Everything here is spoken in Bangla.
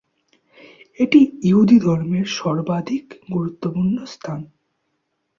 এটি ইহুদি ধর্মের সর্বাধিক গুরুত্বপূর্ণ স্থান।